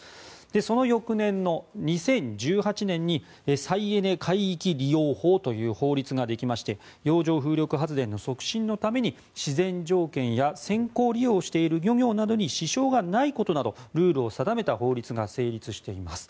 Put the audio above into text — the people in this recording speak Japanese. その翌年の２０１８年に再エネ海域利用法という法律ができまして洋上風力発電の促進のために自然条件や先行利用している漁業などに支障がないことなどルールを定めた法律が成立しています。